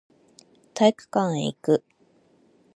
体育館へ行く